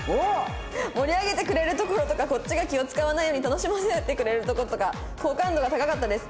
「盛り上げてくれるところとかこっちが気を使わないように楽しませてくれるとことか好感度が高かったです」